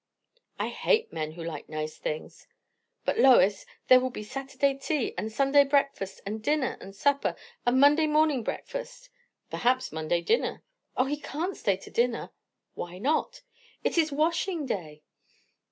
"I hate men who like nice things! But, Lois! there will be Saturday tea, and Sunday breakfast and dinner and supper, and Monday morning breakfast." "Perhaps Monday dinner." "O, he can't stay to dinner." "Why not?" "It is washing day."